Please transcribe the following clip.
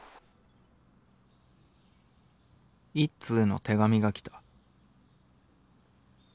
「一通の手紙が来た」。